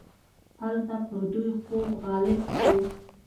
هلته پر دوی خوب غالب شو.